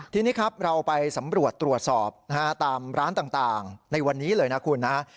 ทีนี้ครับเราไปสำรวจตรวจสอบนะฮะตามร้านต่างในวันนี้เลยนะคุณนะ